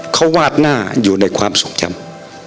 เขาวาดหน้าอยู่ในความทรงจำ